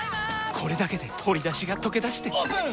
これだけで鶏だしがとけだしてオープン！